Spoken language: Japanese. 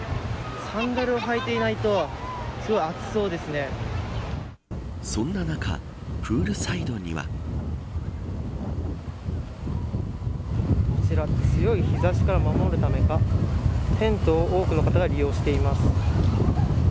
サンダルを履いていないとそんな中プールサイドには。こちら強い日差しから守るためかテントを多くの方が利用しています。